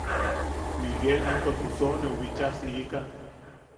Miguel into Tusoneu bicha siika;.